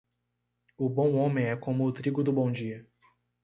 O bom homem é como o trigo do bom dia.